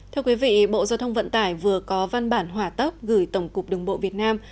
thưa quý vị bộ giao thông vận tải vừa có văn bản hỏa tốc gửi tổng cục đường bộ việt nam